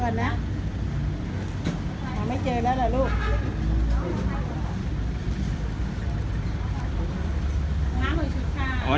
เดี๋ยวก่อนนะไม่เจอแล้วหรอลูก